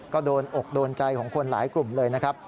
ก็โดนอกโดนใจของคนหลายกลุ่มเลยนะครับ